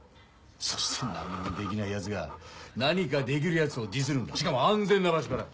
そして何にもできない奴が何かできる奴をディスるんだしかも安全な場所から。